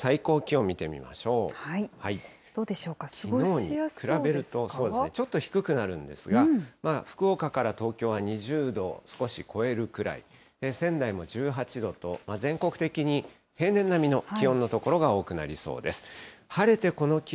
最高気温見てみましょどうでしょうか、過ごしやす比べると、そうですね、ちょっと低くなるんですが、福岡から東京は２０度を少し超えるくらい、仙台も１８度と、全国的に平年並みの気温の所が多くなりそうです。